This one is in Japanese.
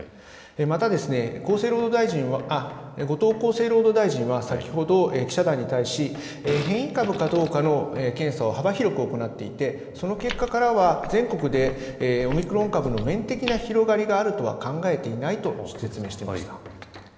また、後藤厚生労働大臣は先ほど、記者団に対し、変異株かどうかの検査を幅広く行っていて、その結果からは、全国でオミクロン株の面的な広がりがあるとは考えていないと説明していました。